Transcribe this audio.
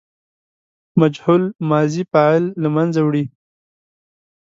مجهول ماضي فاعل له منځه وړي.